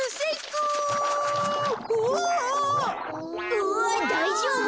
うわっだいじょうぶ？